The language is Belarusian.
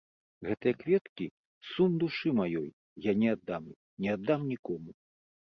Гэтыя кветкі сум душы маёй, я не аддам іх, не аддам нікому.